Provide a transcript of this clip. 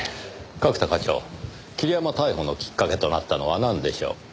角田課長桐山逮捕のきっかけとなったのはなんでしょう？